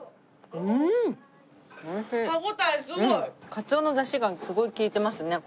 カツオのだしがすごい利いてますね。